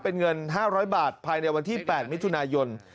เป็นเงิน๕๐๐บาทภายในวันที่๘มิถุนายน